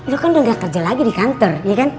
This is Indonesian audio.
lo kan udah gak kerja lagi di kantor iya kan